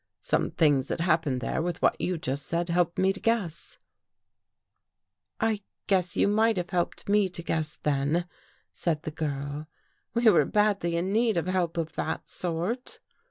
Some things that happened there, with what you just said, helped me to guess." " I wish you might have helped me to guess, then," said the girl. " We were badly in need of help of that sort."